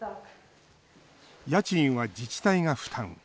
家賃は自治体が負担。